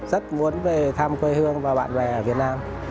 rất muốn về thăm quê hương và bạn bè ở việt nam